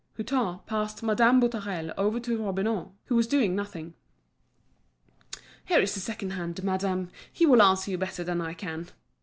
Hutin passed Madame Boutarel over to Robineau, who was doing nothing. "Here's the second hand, madame. He will answer you better than I can."